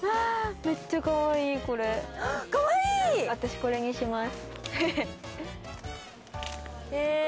私これにします。